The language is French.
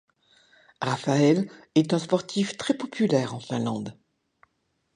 Rafael est un sportif très populaire en Finlande.